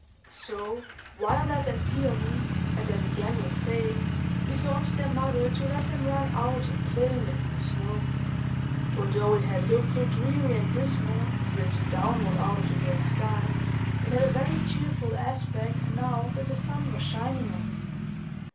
So, Violet and Peony, as I began with saying, besought their mother to let them run out and play in the new snow; for, though it had looked so dreary and dismal, drifting downward out of the gray sky, it had a very cheerful aspect, now that the sun was shining on it.